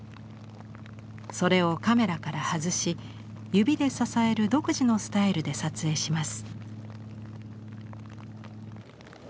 それをカメラから外し指で支える独自のスタイルで撮影します。